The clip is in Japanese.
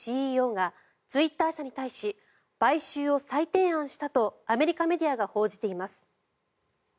ＣＥＯがツイッター社に対し買収を再提案したとアメリカメディアが報じています。